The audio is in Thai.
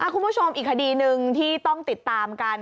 คุณผู้ชมอีกคดีหนึ่งที่ต้องติดตามกัน